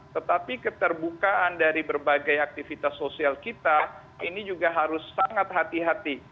tetapi keterbukaan dari berbagai aktivitas sosial kita ini juga harus sangat hati hati